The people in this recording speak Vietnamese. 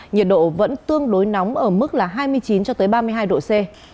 nhiệt độ vẫn tương đối nóng ở mức hai mươi chín ba mươi hai độ c